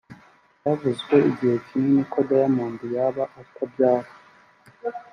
Byavuzwe igihe kinini ko Diamond yaba atabyara